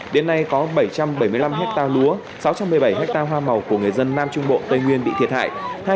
đến nay có bảy trăm bảy mươi năm hectare lúa sáu trăm một mươi bảy ha hoa màu của người dân nam trung bộ tây nguyên bị thiệt hại